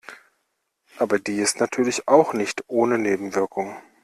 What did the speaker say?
Aber die ist natürlich auch nicht ohne Nebenwirkungen.